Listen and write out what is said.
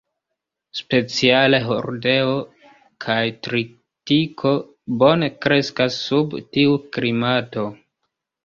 Speciale hordeo kaj tritiko bone kreskas sub tiu klimato.